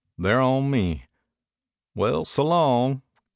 They're on me. Well, so long.